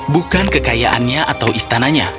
bukan kekayaannya atau istananya